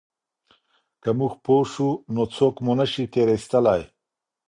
که موږ پوه سو نو څوک مو نه سي تېر ایستلای.